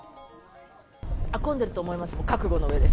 混んでると思います。